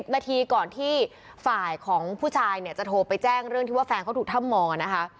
นาทีก่อนที่ฝ่ายของผู้ชายเนี่ยจะโทรไปแจ้งเรื่องที่ว่าแฟนเขาถูกถ้ำมองนะคะ